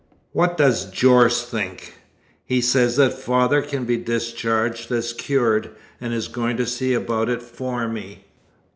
"What does Jorce think?" "He says that father can be discharged as cured, and is going to see about it for me.